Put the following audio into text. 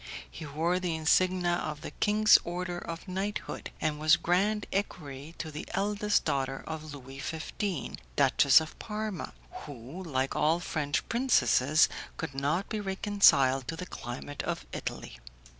He wore the insignia of the king's order of knighthood, and was grand equerry to the eldest daughter of Louis XV., Duchess of Parma, who, like all the French princesses, could not be reconciled to the climate of Italy.